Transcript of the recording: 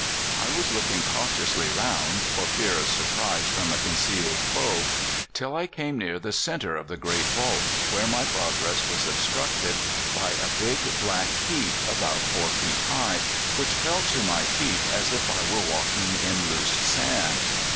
I was looking cautiously round, for fear of surprise from a concealed foe, till I came near the centre of the great vault, where my progress was obstructed by a big black heap about 4 feet high, which felt to my feet as if I were walking in loose sand.